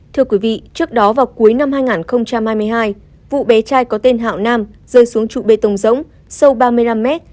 thưa quý vị trước đó vào cuối năm hai nghìn hai mươi hai vụ bé trai có tên hạo nam rơi xuống trụ bê tông rỗng sâu ba mươi năm mét